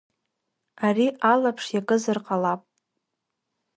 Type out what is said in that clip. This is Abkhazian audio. Ари алаԥш иакызар ҟалап.